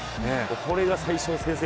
これが最初の先制